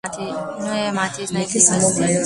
Nuja je mati iznajdljivosti.